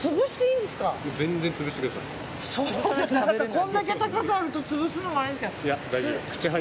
これだけ高さあると潰すのもあれですけど。